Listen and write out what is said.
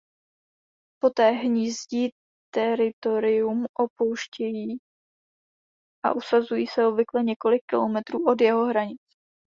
Poté hnízdní teritorium opouštějí a usazují se obvykle několik kilometrů od jeho hranic.